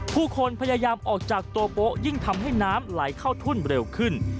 ผู้คนพยายามออกจากตัวโป๊ยิ่งทำให้น้ำไหลเข้าทุ่นเร็วขึ้น